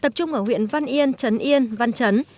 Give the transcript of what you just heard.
tập trung ở huyện văn yên trấn yên văn trấn